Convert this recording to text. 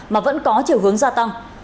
mà vẫn có chiều hướng gia tăng